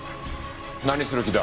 何する気だ？